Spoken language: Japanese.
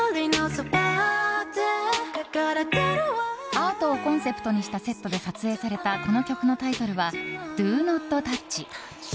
アートをコンセプトにしたセットで撮影されたこの曲のタイトルは「Ｄｏｎｏｔｔｏｕｃｈ」。